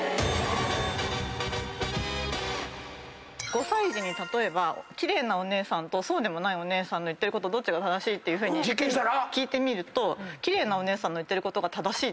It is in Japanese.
５歳児に例えば奇麗なお姉さんとそうでもないお姉さんの言うことどっちが正しいっていうふうに聞いてみると奇麗なお姉さんの言ってることが正しいって言うの。